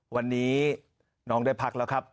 วันนี้น้องได้พักแล้วครับ